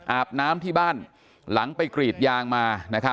อาบน้ำที่บ้านหลังไปกรีดยางมา